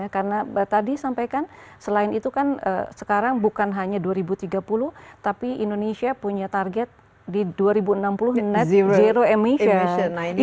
karena tadi sampaikan selain itu kan sekarang bukan hanya dua ribu tiga puluh tapi indonesia punya target di dua ribu enam puluh net zero emission